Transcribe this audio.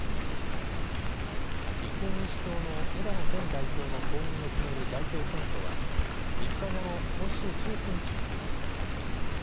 立憲民主党の枝野前代表の後任を決める代表選挙は３日後の今週１９日に告示されます。